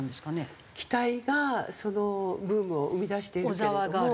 期待がそのブームを生み出しているけれども。